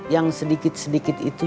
yang sedikit sedikit itu